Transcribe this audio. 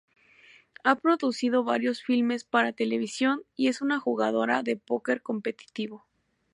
Ha producido varios filmes para televisión y es una jugadora de póquer competitivo.